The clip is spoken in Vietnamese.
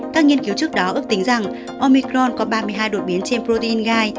các nghiên cứu trước đó ước tính rằng omicron có ba mươi hai đột biến trên protein gai